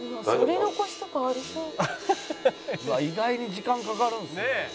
「意外に時間かかるんですね」